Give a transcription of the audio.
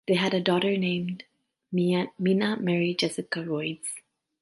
They had a daughter named Minna Mary Jessica Royds.